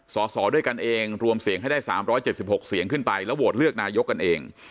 สสด้วยกันเองรวมเสียงให้ได้๓๗๖เสียงขึ้นไปแล้วโหวตเลือกนายกกันเอง